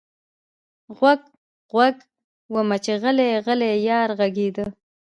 غوږ، غوږ ومه چې غلـــــــی، غلـــی یار غږېده